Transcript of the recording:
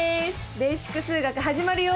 「ベーシック数学」始まるよ！